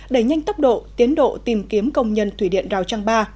đẩy nhanh tốc độ tiến độ tìm kiếm công nhân thủy điện rào trăng ba